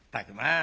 あ